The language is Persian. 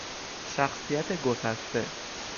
شخصیت گسسته